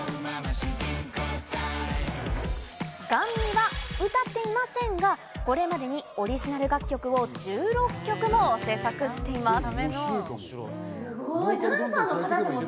ＧＡＮＭＩは歌っていませんが、これまでにオリジナル楽曲を１６曲も制作しています。